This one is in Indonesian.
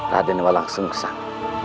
raden walang sung sang